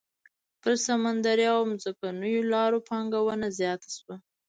پر سمندري او ځمکنيو لارو پانګونه زیاته شوه.